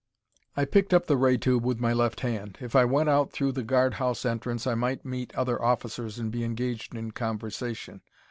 I picked up the ray tube with my left hand. If I went out through the guard house entrance I might meet other officers and be engaged in conversation.